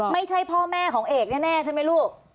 ไม่ใช่พ่อแม่ของเอกแน่ใช่ไหมลูก